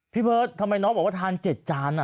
พี่เพิร์ชทำไมน้องบอกว่าทานเจ็ดจานอ่ะ